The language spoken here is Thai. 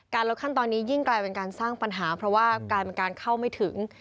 ลดขั้นตอนนี้ยิ่งกลายเป็นการสร้างปัญหาเพราะว่ากลายเป็นการเข้าไม่ถึง